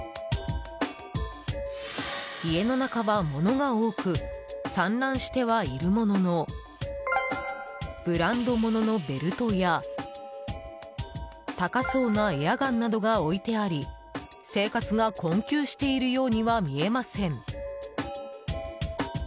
家の中は物が多く散乱してはいるもののブランドもののベルトや高そうなエアガンなどが置いてあり生活が困窮しているようには見えません。